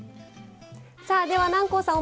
さあでは南光さん